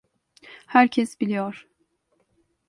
Herkes biliyor.